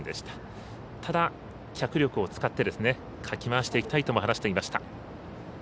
ただ、脚力を使ってかき回していきたいとも話していました。